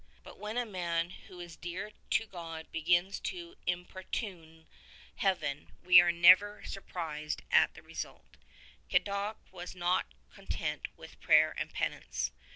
But when a man who is dear to God begins to importune Heaven we are never surprised at the result. Cadoc was not content with prayer and penance.